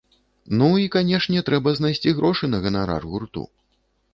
Ну, і канешне, трэба знайсці грошы на ганарар гурту.